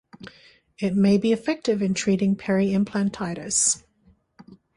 It may be effective in treating peri-implantitis.